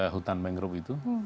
hutan mangrove itu